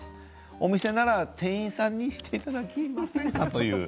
お店なら店員さんにしていただきませんか？と。